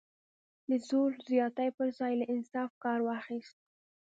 د زور زیاتي پر ځای یې له انصاف کار واخیست.